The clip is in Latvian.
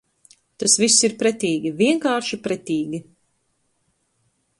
Tas viss ir pretīgi, vienkārši pretīgi.